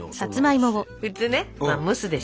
普通ね蒸すでしょ？